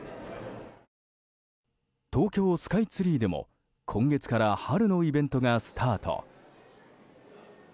東京スカイツリーでも今月から春のイベントがスタート。